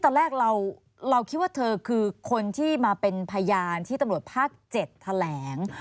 ตอนแรกเราคิดว่าเธอคือคนที่มาเป็นพยานที่ตำรวจภาค๗แถลง